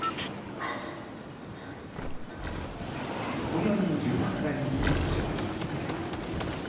都内の住宅街に響く息遣い。